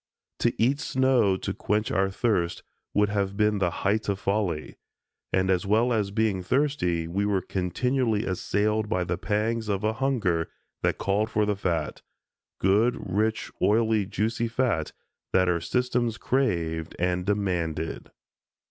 To eat snow to quench our thirsts would have been the height of folly, and as well as being thirsty, we were continually assailed by the pangs of a hunger that called for the fat, good, rich, oily, juicy fat that our systems craved and demanded.